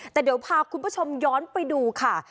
แต่เดี๋ยวพาคุณผู้ชมย้อนไปดูค่ะ